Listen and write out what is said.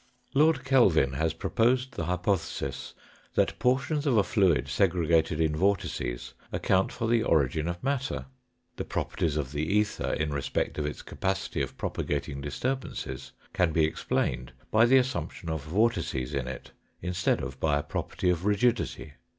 Lord Kelvin has proposed the hypothesis that portions of a fluid segregated in vortices account for the origin of matter. The properties of the ether in respect of its capacity of propagating disturbances can be explained by the assumption of vortices in it instead of by a pro perty of rigidity.